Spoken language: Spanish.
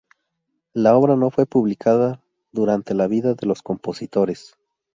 La obra no fue publicada durante la vida de los compositores.